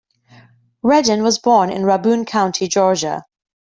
Redden was born in Rabun County, Georgia.